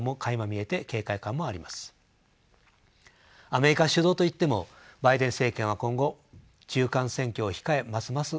アメリカ主導といってもバイデン政権は今後中間選挙を控えますます